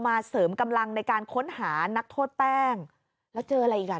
เสริมกำลังในการค้นหานักโทษแป้งแล้วเจออะไรอีกอ่ะ